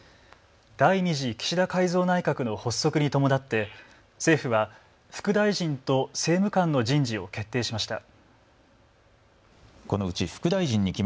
第２次岸田改造内閣の発足に伴って政府は副大臣と政務官の人事を決定しました。